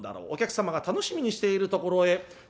お客様が楽しみにしているところへ